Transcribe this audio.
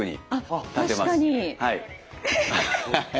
確かに。